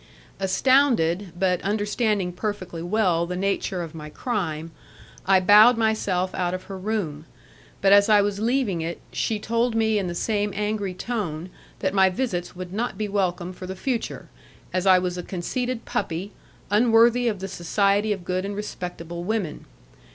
Astounded, but understanding perfectly well the nature of my crime, I bowed myself out of her room; but as I was leaving it she told me in the same angry tone that my visits would not be welcome for the future, as I was a conceited puppy, unworthy of the society of good and respectable women.